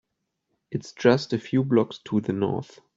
It’s just a few blocks to the North.